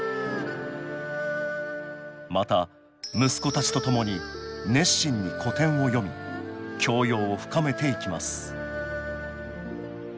また息子たちとともに熱心に古典を読み教養を深めていきます